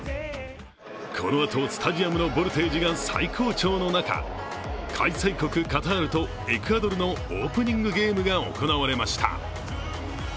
このあと、スタジアムのボルテージが最高潮の中、開催国・カタールとエクアドルのオープニングゲームが行われました。